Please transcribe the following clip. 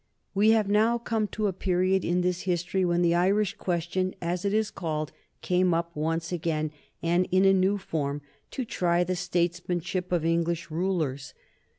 We have now come to a period in this history when the Irish question, as it is called, came up once again, and in a new form, to try the statesmanship of English rulers.